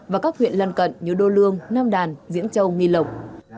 và các huyện lân cận như đô lương nam đàn diễn châu nghì lộng